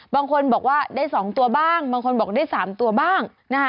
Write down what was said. บางคนบอกว่าได้๒ตัวบ้างบางคนบอกได้๓ตัวบ้างนะคะ